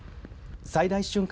最大瞬間